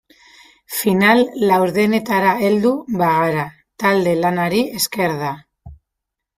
Final laurdenetara heldu bagara talde-lanari esker da.